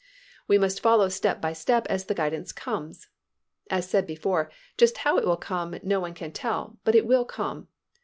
5. We must follow step by step as the guidance comes. As said before, just how it will come, no one can tell, but it will come.